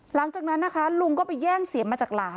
หลังจากนั้นนะคะลุงก็ไปแย่งเสียงมาจากหลาน